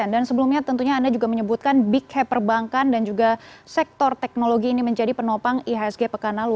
dan sebelumnya tentunya anda juga menyebutkan big cap perbankan dan juga sektor teknologi ini menjadi penopang ihsg pekanalu